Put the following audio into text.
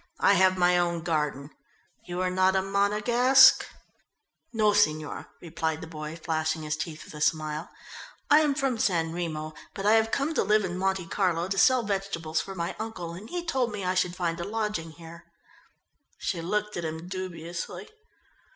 "I have my own garden. You are not a Monogasque." "No, signora," replied the boy, flashing his teeth with a smile. "I am from San Remo, but I have come to live in Monte Carlo to sell vegetables for my uncle, and he told me I should find a lodging here." She looked at him dubiously.